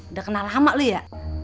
udah kenal sama lo ya